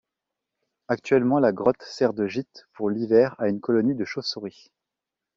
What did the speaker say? Actuellement la grotte sert de gîte pour l'hiver à une colonie de chauves-souris.